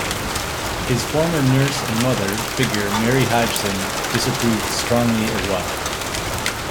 His former nurse and mother figure Mary Hodgson disapproved strongly as well.